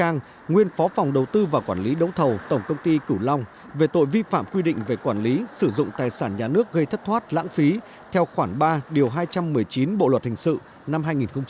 nguyên phó phòng đầu tư và quản lý đấu thầu tổng công ty cửu long về tội vi phạm quy định về quản lý sử dụng tài sản nhà nước gây thất thoát lãng phí theo khoảng ba điều hai trăm một mươi chín bộ luật hình sự năm hai nghìn một mươi năm